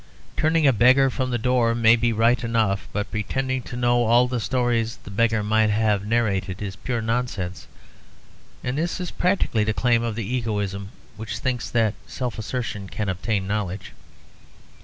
Turning a beggar from the door may be right enough, but pretending to know all the stories the beggar might have narrated is pure nonsense; and this is practically the claim of the egoism which thinks that self assertion can obtain knowledge.